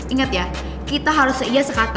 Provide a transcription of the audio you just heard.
ingat ya kita harus iya sekata